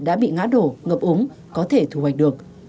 đã bị ngã đổ ngập ống có thể thu hoạch được